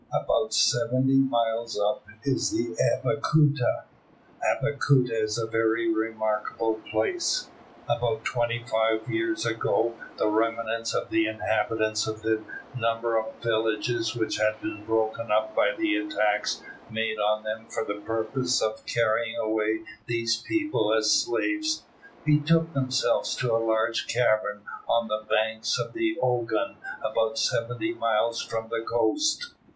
About seventy miles up is Abeokuta. Abeokuta is a very remarkable place. About twenty five years ago the remnants of the inhabitants of a number of villages which had been broken up by the attacks made on them for the purpose of carrying away these people as slaves, betook themselves to a large cavern on the banks of the Ogun about seventy miles from the coast.